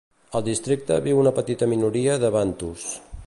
Al districte viu una petita minoria de bantus.